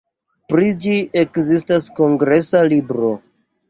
Pri ĝi ekzistas kongresa libro.